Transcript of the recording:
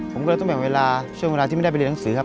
ผมก็เลยต้องแบ่งเวลาที่ไม่ได้ไปเรื่องหนังสือครับ